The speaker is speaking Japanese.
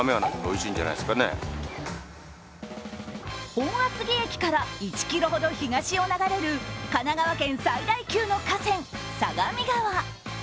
本厚木駅から１ｋｍほど東を流れる神奈川県最大級の河川・相模川。